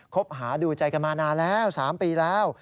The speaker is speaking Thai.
คบหาดูใจกันมานานแล้ว๓ปีแล้ว